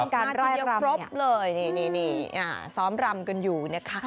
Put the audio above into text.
ใช่มาทียาพรบเลยซ้อมรำกันอยู่นะคะ